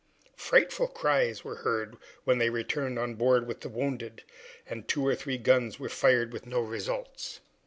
Frightful cries were heard when they returned on board with the wounded, and two or three guns were fired with no results.